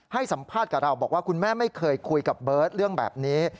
ให้สัมภาษณ์กับเราบอกว่าคุณแม่ไม่เคยคุยกับเบิร์ตเรื่องแบบนี้